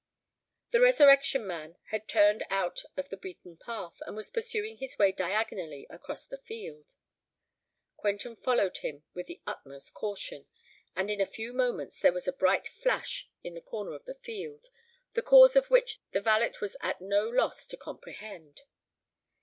The Resurrection Man had turned out of the beaten path, and was pursuing his way diagonally across the field. Quentin followed him with the utmost caution: and in a few moments there was a bright flash in the corner of the field, the cause of which the valet was at no loss to comprehend.